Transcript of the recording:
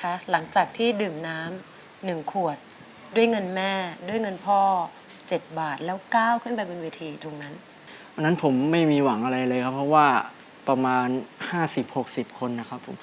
ไม่ได้หวังอะไรเลยครับเพราะว่าประมาณ๕๐๖๐คนนะครับผม